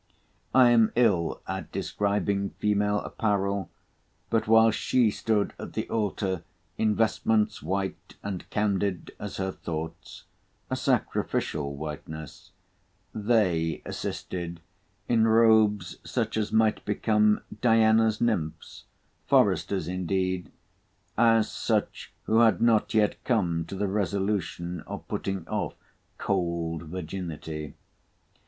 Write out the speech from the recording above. I am ill at describing female apparel; but, while she stood at the altar in vestments white and candid as her thoughts, a sacrificial whiteness, they assisted in robes, such as might become Diana's nymphs—Foresters indeed—as such who had not yet come to the resolution of putting off cold virginity.